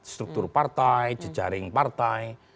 struktur partai jejaring partai